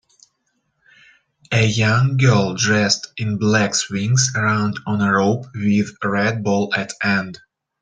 A young girl dressed in black swings around on a rope with red ball at end.